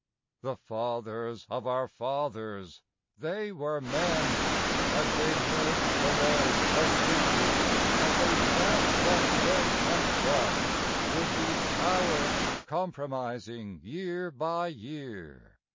II The fathers of our fathers, they were men! Had they nursed delay as we do? had they sat thus deaf and dumb, With these cowards compromising year by year?